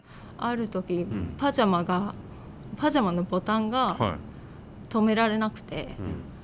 ある時パジャマがパジャマのボタンが留められなくて。